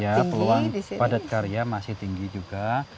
ya peluang padat karya masih tinggi juga